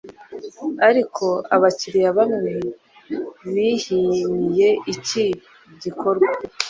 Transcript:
Ariko abakiriya bamwe bihimiye iki gikorwa